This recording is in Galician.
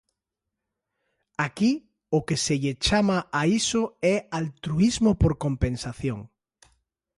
Aquí o que se lle chama a iso é altruísmo por compensación.